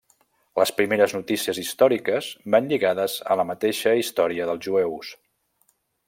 Les primeres notícies històriques van lligades a la mateixa història dels jueus.